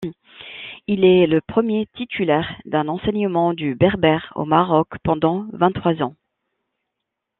Il est le premier titulaire d'un enseignement du berbère au Maroc pendant vingt-trois ans.